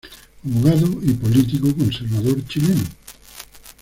Abogado y político conservador chileno.